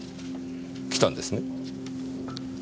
来たんですね。